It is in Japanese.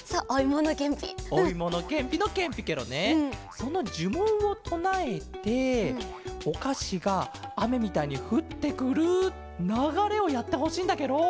そのじゅもんをとなえておかしがあめみたいにふってくるながれをやってほしいんだケロ。